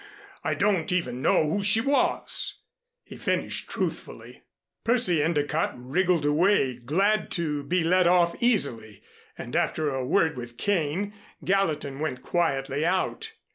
I don't even know who she was," he finished truthfully. Percy Endicott wriggled away, glad to be let off so easily; and after a word with Kane, Gallatin went quietly out.